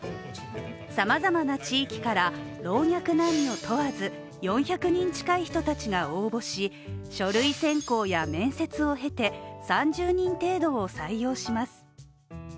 さまざまな地域から、老若男女問わず４００人近い人たちが応募し、書類選考や面接を経て、３０人程度を採用します。